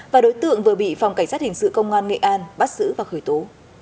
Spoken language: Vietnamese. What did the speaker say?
và đối tượng vừa bị phòng cảnh sát hình sự công an nghệ an bắt xử và khởi tố